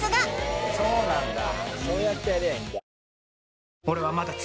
そうなんだ